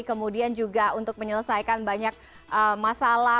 kemudian juga untuk menyelesaikan banyak masalah